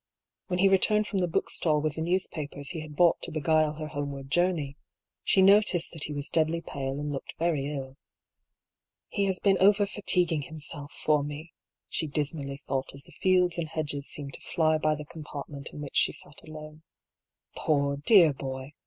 When he returned from the bookstall with the newspapers he had bought to beguile her homeward journey, she noticed that he was de.xdly pale and looked very ill. " He has been overfatiguing himself for me," she dismally thought as the fields and hedges seemed to fly by the compartment in which she sat alone. " Poor, dear boy